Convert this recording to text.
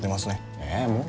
えっ？